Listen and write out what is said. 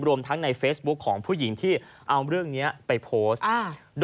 รวมทั้งในเฟซบุ๊คของผู้หญิงที่เอาเรื่องนี้ไปโพสต์